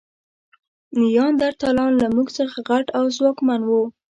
نیاندرتالان له موږ څخه غټ او ځواکمن وو.